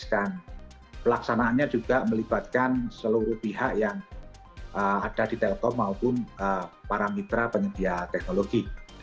dan pelaksanaannya juga melibatkan seluruh pihak yang ada di telkom maupun para mitra penyedia teknologi